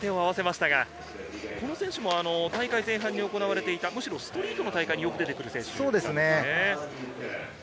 この選手も大会前半に行われていたストリートの大会によく出てくる選手です。